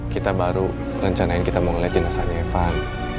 kita baru rencanain kita mau ngeliat jenazahnya evan